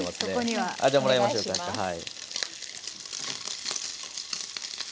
はい。